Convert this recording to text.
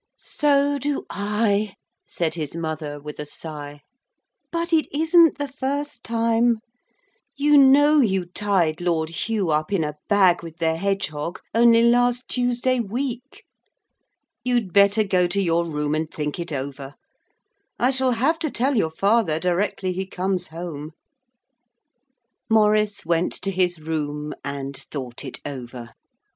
'So do I,' said his mother, with a sigh; 'but it isn't the first time; you know you tied Lord Hugh up in a bag with the hedgehog only last Tuesday week. You'd better go to your room and think it over. I shall have to tell your father directly he comes home.' Maurice went to his room and thought it over.